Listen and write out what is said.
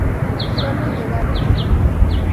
Sólo llegadas.